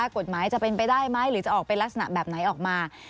กฎหมายจะเป็นไปได้ไหมหรือจะออกเป็นลักษณะแบบไหนออกมา